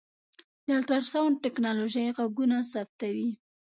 د الټراسونډ ټکنالوژۍ غږونه ثبتوي.